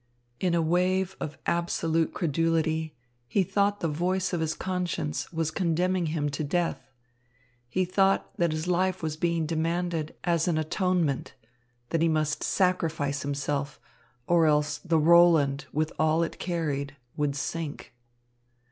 In a wave of absolute credulity, he thought the voice of his conscience was condemning him to death. He thought that his life was being demanded as an atonement, that he must sacrifice himself, or else the Roland, with all it carried, would sink.